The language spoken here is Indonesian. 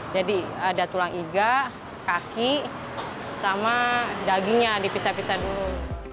jadi ada tulang iga kaki sama dagingnya dipisah pisah dulu